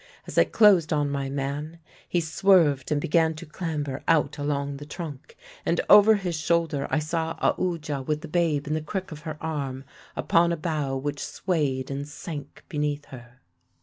As I closed on my man, he swerved and began to clamber out along the trunk; and over his shoulder I saw Aoodya, with the babe in the crick of her arm, upon a bough which swayed and sank beneath her.